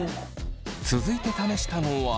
続いて試したのは。